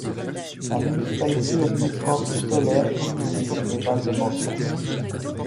La municipalité est limitrophe de Sóller, Bunyola et Valldemossa.